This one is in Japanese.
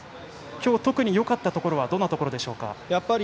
今日、特によかったところはどんなところでしょうか。